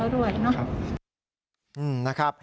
เราก็ต้องรักษาสภาพจิตใจเขาด้วยนะครับ